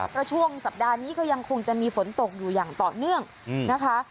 เพราะช่วงสัปดาห์นี้ก็ยังคงจะมีฝนตกอยู่อย่างต่อเนื่องนะคะ